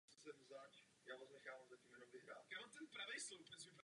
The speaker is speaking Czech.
Režisérem filmu je Gus Van Sant.